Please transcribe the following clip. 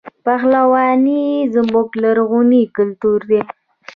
پهلواني زموږ لرغونی کلتور دی.